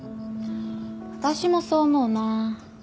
私もそう思うな。